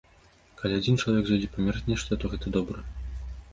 Калі адзін чалавек зойдзе памераць нешта, то гэта добра.